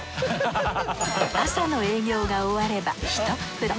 朝の営業が終わればひとっ風呂。